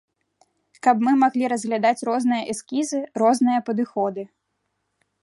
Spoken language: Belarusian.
Каб мы маглі разглядаць розныя эскізы, розныя падыходы.